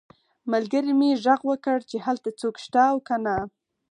ملګري مې غږ وکړ چې هلته څوک شته او که نه